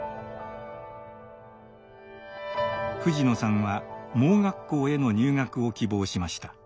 藤野さんは盲学校への入学を希望しました。